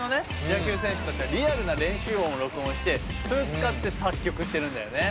野球選手たちのリアルな練習音を録音してそれを使って作曲してるんだよね。